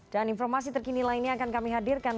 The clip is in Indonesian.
dan informasi terkini lainnya akan kami hadirkan